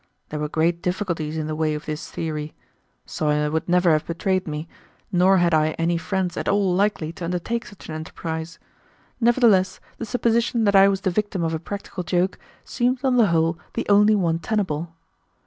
There were great difficulties in the way of this theory; Sawyer would never have betrayed me, nor had I any friends at all likely to undertake such an enterprise; nevertheless the supposition that I was the victim of a practical joke seemed on the whole the only one tenable.